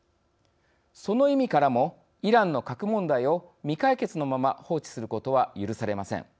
その意味からもイランの核問題を未解決のまま放置することは許されません。